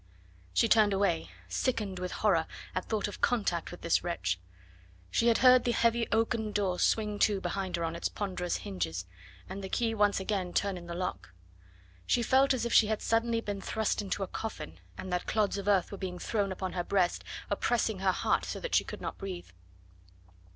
She turned away, sickened with horror at thought of contact with this wretch. She had heard the heavy oaken door swing to behind her on its ponderous hinges, and the key once again turn in the lock. She felt as if she had suddenly been thrust into a coffin, and that clods of earth were being thrown upon her breast, oppressing her heart so that she could not breathe.